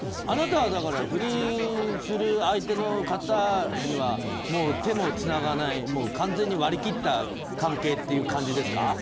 あなたは不倫する相手の方には手もつながない完全に割り切った関係という感じですか？